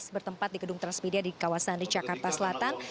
bertempat di gedung transmedia di kawasan di jakarta selatan